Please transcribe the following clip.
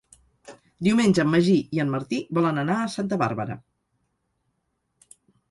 Diumenge en Magí i en Martí volen anar a Santa Bàrbara.